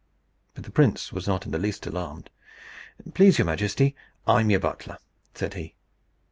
But the prince was not in the least alarmed. "Please your majesty, I'm your butler," said he.